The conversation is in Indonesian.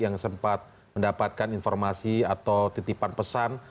yang sempat mendapatkan informasi atau titipan pesan